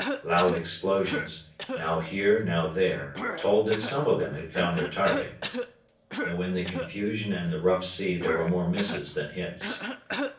Loud explosions, now here now there, told that some of them had found their target, though in the confusion and the rough sea there were more misses than hits.